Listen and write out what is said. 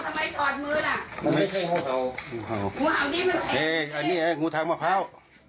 มันไม่ใช่ห้องเผาห้องเผางูหาวนี้มันเผ็ดเฮ้ยอันนี้ไอ้งูทางมะพร้าว